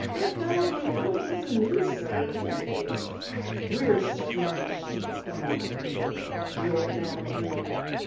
"Red Valley really is a news center these days." "We're sittin' on a stick o' dynamite here," the old man agreed.